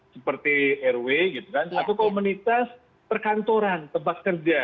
seperti rw gitu kan atau komunitas perkantoran tempat kerja